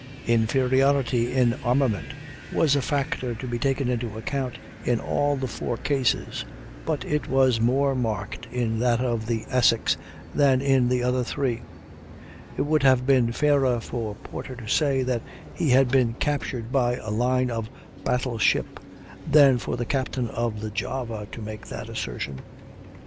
Inferiority in armament was a factor to be taken into account in all the four cases, but it was more marked in that of the Essex than in the other three; it would have been fairer for Porter to say that he had been captured by a line of battle ship, than for the captain of the Java to make that assertion.